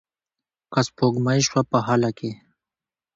که سپوږمۍ شوه په هاله کې